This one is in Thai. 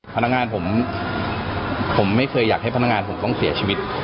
พนักงานผมไม่เคยอยากให้พนักงานผมต้องเสียชีวิต